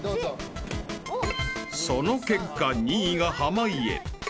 ［その結果２位が濱家］